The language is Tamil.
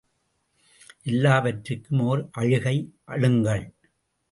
எல்லாவற்றுக்கும் ஓர் அழுகை அழுங்கள்.